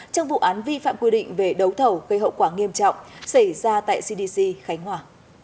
trong vụ án vi phạm quy định về đấu thầu gây hậu quả nghiêm trọng xảy ra tại cdc khánh hòa